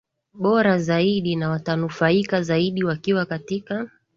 bora zaidi na watanufaika zaidi wakiwa katika